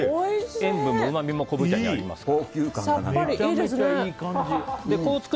塩分もうまみも昆布茶にありますから。